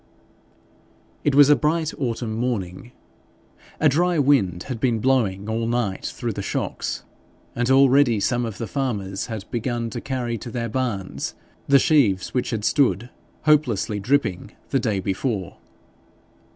It was a bright Autumn morning. A dry wind had been blowing all night through the shocks, and already some of the farmers had begun to carry to their barns the sheaves which had stood hopelessly dripping the day before.